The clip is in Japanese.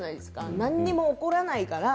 何も起こらないから。